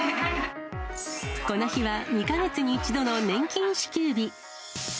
この日は２か月に１度の年金支給日。